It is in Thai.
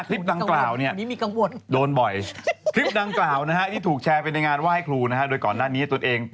ทริปนางกล่าวนะฮะที่ถูกแชร์ไปในงานไหว้ครูนะฮะด้วยก่อนหน้านี้ตัวเอง